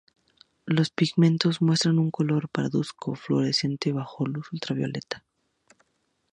Los pigmentos muestran un color parduzco fluorescente bajo luz ultravioleta.